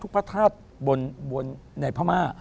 ทุกพระธาตุบนในพระม่า